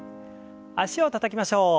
脚をたたきましょう。